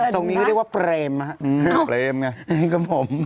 ตรงนี้เราเรียกว่าเกรม